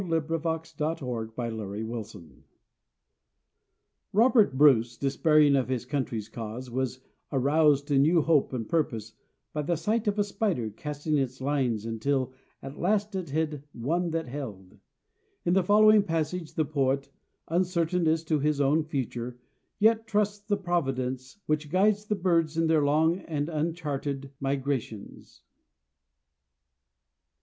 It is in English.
Robert Louis Stevenson. MAN, BIRD, AND GOD Robert Bruce, despairing of his country's cause, was aroused to new hope and purpose by the sight of a spider casting its lines until at last it had one that held. In the following passage the poet, uncertain as to his own future, yet trusts the providence which guides the birds in their long and uncharted migrations.